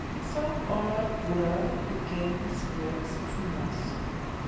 So our Lord Buddh Began his works of mercy.